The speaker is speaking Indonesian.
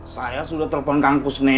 saya sudah telepon kampus nenek